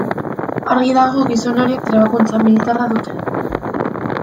Argi dago gizon horiek trebakuntza militarra dutela.